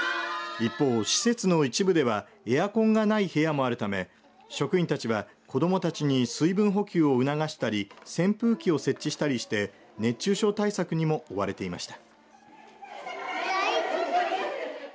一方、施設の一部ではエアコンがない部屋もあるため職員たちは子どもたちに水分補給を促したり扇風機を設置したりして熱中症対策にも追われていました。